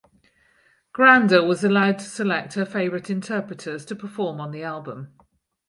Granda was allowed to select her favorite interpreters to perform on the album.